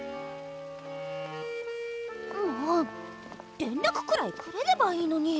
もう連らくくらいくれればいいのに！